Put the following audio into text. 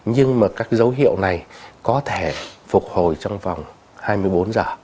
nhưng mà các dấu hiệu này có thể phục hồi trong vòng hai mươi bốn giờ